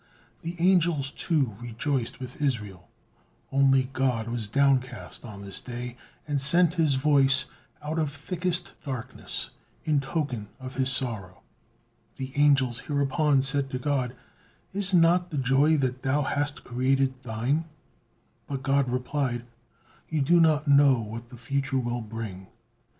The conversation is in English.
The angels, too, rejoiced with Israel, only God was down cast on this day and sent His voice "out of thickest darkness," in token of His sorrow. The angels hereupon said to God: "Is not the joy that Thou hast created Thine?" But God replied: "You do not know what the future will bring."